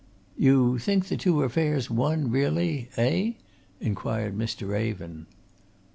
"You think the two affairs one really eh?" inquired Mr. Raven.